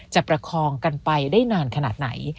ประคองกันไปได้นานขนาดไหน